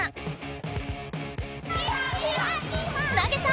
投げた！